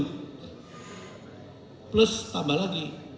jadi plus tambah lagi